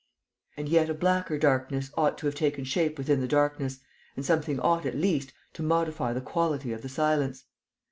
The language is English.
And yet a blacker darkness ought to have taken shape within the darkness and something ought, at least, to modify the quality of the silence.